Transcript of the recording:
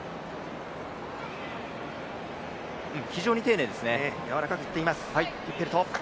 非常に丁寧ですね。